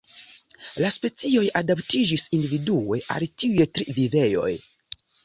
La specioj adaptiĝis individue al tiuj tri vivejoj.